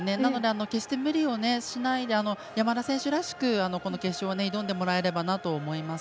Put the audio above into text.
なので、決して無理をしないで山田選手らしく決勝を挑んでもらえればなと思います。